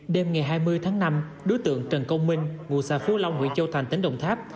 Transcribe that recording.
đêm ngày hai mươi tháng năm đối tượng trần công minh ngụ xã phú long huyện châu thành tỉnh đồng tháp